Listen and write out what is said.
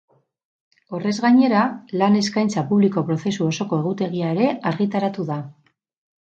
Horrez gainera, lan eskaintza publiko prozesu osoko egutegia ere argitaratu da.